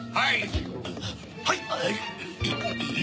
はい！